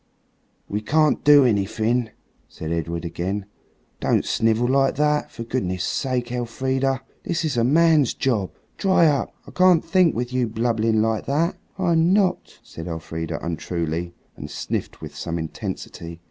"We can't do anything," said Edred again; "don't snivel like that, for goodness' sake, Elfrida. This is a man's job. Dry up. I can't think, with you blubbing like that." "I'm not," said Elfrida untruly, and sniffed with some intensity.